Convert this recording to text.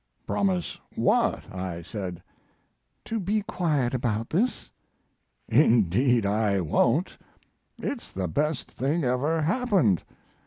"Promise what?" I said. "To be quiet about this." "Indeed I won't; it's the best thing ever happened.